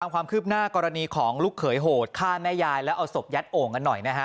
ความคืบหน้ากรณีของลูกเขยโหดฆ่าแม่ยายแล้วเอาศพยัดโอ่งกันหน่อยนะฮะ